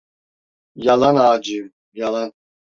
Yalan ağacığım, yalan!